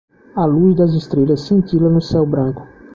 A luz das estrelas cintila no céu branco